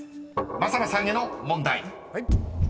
正名さんへの問題］